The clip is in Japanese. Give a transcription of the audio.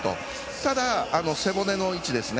ただ、背骨の位置ですね。